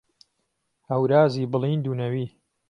ههورازی بڵیند و نهوی